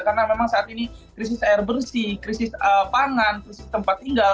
karena memang saat ini krisis air bersih krisis pangan krisis tempat tinggal